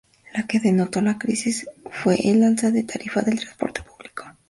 Lo que detonó la crisis fue el alza de la tarifa del transporte público.